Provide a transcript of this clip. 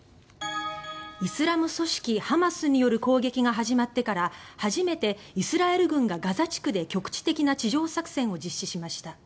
イスラム組織ハマスによる攻撃が始まってから初めてイスラエル軍がガザ地区で局地的な地上作戦を実施しました。